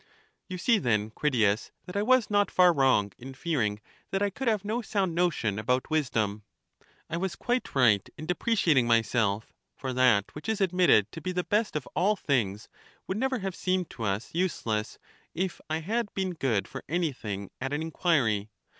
You see then, Critias, that I was not far wrong in fearing that I could have no sound notion about wis dom; I was quite right in depreciating myself; for that which is admitted to be the best of all things would never have seemed^ to us useless, if I had been good for anything at an inquiry.